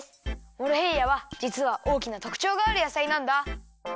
モロヘイヤはじつはおおきなとくちょうがあるやさいなんだ！